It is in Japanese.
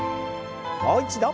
もう一度。